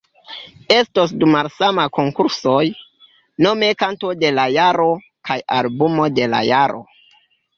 Estos du malsamaj konkursoj, nome Kanto de la Jaro kaj Albumo de la Jaro.